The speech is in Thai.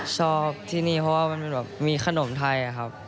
ชอบที่นี่เพราะมีขนมไทยครับ